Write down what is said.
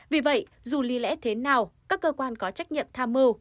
vì vậy dù lý lẽ thế nào các cơ quan có trách nhiệm tham mưu